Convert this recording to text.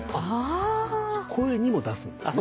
声にも出すんですね。